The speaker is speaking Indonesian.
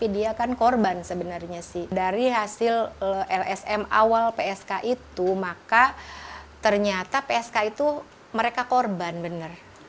dari hasil lsm awal psk itu maka ternyata psk itu mereka korban benar